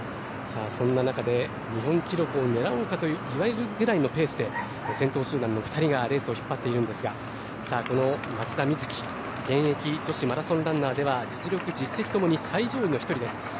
そんな中で日本記録を狙うのかといわれるくらいのペースで先頭集団の２人がレースを引っ張っているんですがこの松田瑞生現役女子マラソンランナーでは実力、実績ともに最上位の１人です。